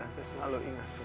dan saya selalu ingat tuhan